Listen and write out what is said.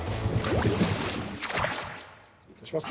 失礼します。